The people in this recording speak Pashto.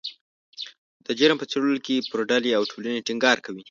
د جرم په څیړلو کې پر ډلې او ټولنې ټینګار کوي